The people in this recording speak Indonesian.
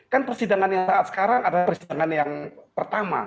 kan persidangan yang saat sekarang adalah persidangan yang pertama